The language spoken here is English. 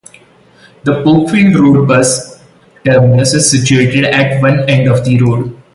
The Pokfield Road Bus Terminus is situated at one end of the road.